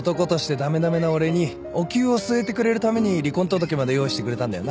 駄目な俺におきゅうを据えてくれるために離婚届まで用意してくれたんだよな？